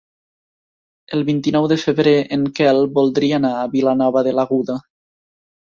El vint-i-nou de febrer en Quel voldria anar a Vilanova de l'Aguda.